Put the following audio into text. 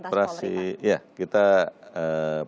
operasi ya kita